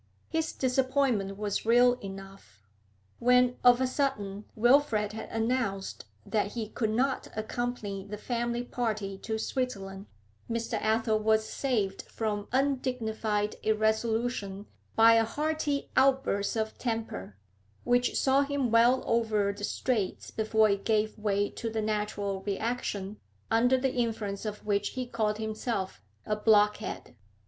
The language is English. His disappointment was real enough. When of a sudden Wilfrid had announced that he could not accompany the family party to Switzerland, Mr. Athel was saved from undignified irresolution by a hearty outburst of temper, which saw him well over the Straits before it gave way to the natural reaction, under the influence of which he called himself a blockhead.